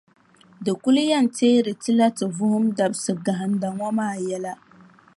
Di kuli yɛn teeri ti la ti vuhim dabisiʼ gahinda ŋɔ maa yɛla.